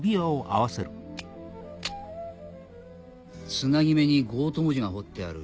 つなぎ目にゴート文字が彫ってある。